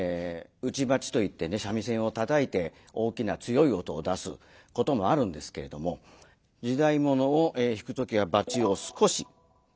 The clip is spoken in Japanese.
打ち撥といってね三味線をたたいて大きな強い音を出すこともあるんですけれども「時代物」を弾く時は撥を少し立てます。